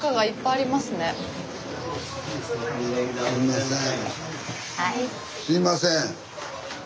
すいません。